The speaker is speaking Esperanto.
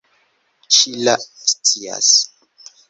Ŝila scias.